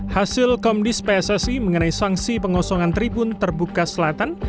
hasil komdis pssi mengenai sanksi pengosongan tribun terbuka selatan